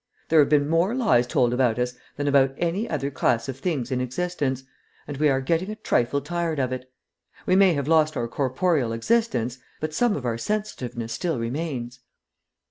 There have been more lies told about us than about any other class of things in existence, and we are getting a trifle tired of it. We may have lost our corporeal existence, but some of our sensitiveness still remains."